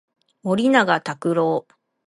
森永卓郎